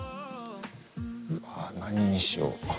うわぁ何にしよう。